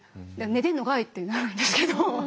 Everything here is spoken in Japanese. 「寝てんのかい」ってなるんですけど。